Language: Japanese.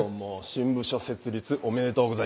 新部署設立おめでとうございます。